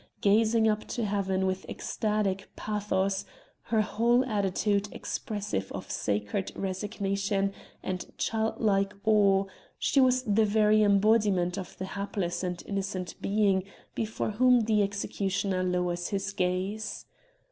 gazing up to heaven with ecstatic pathos, her whole attitude expressive of sacred resignation and childlike awe, she was the very embodiment of the hapless and innocent being before whom the executioner lowers his gaze.